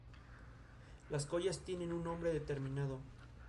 Algunas eran tumbas de cámara y otras cavidades simples cavadas en la roca.